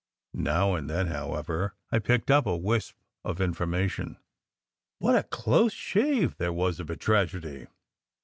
Now and then, however, I picked up a wisp of information. "What a close shave there was of a tragedy!